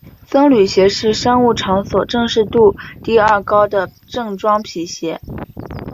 僧侣鞋是商务场所正式度第二高的正装皮鞋。